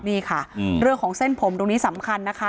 นี่ค่ะเรื่องของเส้นผมตรงนี้สำคัญนะคะ